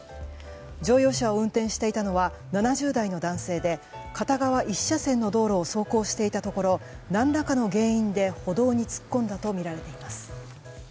乗用車を運転していたのは７０代の男性で片側１車線の道路を走行していたところ何らかの原因で歩道に突っ込んだとみられています。